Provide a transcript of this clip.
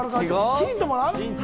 ヒントをもらう？